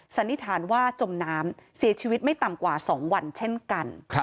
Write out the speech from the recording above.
สันนิษฐานว่าจมน้ำเสียชีวิตไม่ต่ำกว่า๒วันเช่นกัน